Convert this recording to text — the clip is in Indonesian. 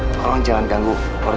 tolong jangan ganggu aku lagi